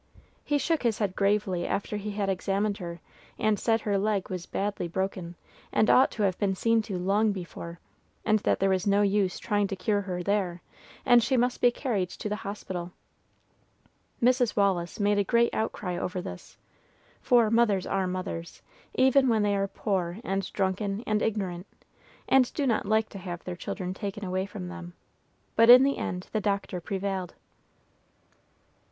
He shook his head gravely after he had examined her, and said her leg was badly broken, and ought to have been seen to long before, and that there was no use trying to cure her there, and she must be carried to the hospital. Mrs. Wallis made a great outcry over this, for mothers are mothers, even when they are poor and drunken and ignorant, and do not like to have their children taken away from them; but in the end the doctor prevailed.